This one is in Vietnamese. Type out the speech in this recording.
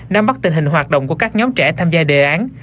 nắm bắt tình hình hoạt động của các nhóm trẻ tham gia đề án